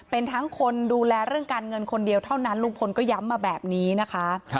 เป็นทั้งคนดูแลเรื่องการเงินคนเดียวเท่านั้นลุงพลก็ย้ำมาแบบนี้นะคะ